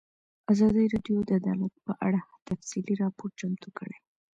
ازادي راډیو د عدالت په اړه تفصیلي راپور چمتو کړی.